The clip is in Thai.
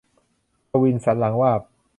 ภวินสันหลังวาบ